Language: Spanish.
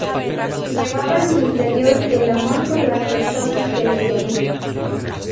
Llevaba en su interior el amor por las personas que le querían.